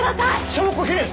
証拠品！